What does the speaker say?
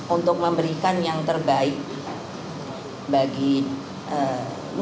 untuk memberikan yang terbaik bagi nu